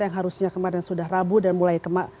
yang harusnya kemarin sudah rabu dan mulai kemak